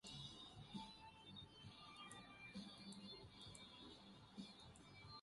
জাতীয় পাঠক্রম ও পাঠ্যপুস্তক বোর্ড দারা এই কলেজ গুলোকে সাধারণ দুটি সংস্করণ রয়েছে, একটি বাংলা সংস্করণ এবং ইংরেজি সংস্করণ।